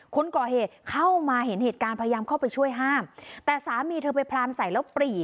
คนก่อเหตุเข้ามาเห็นเหตุการณ์พยายามเข้าไปช่วยห้ามแต่สามีเธอไปพลานใส่แล้วปรี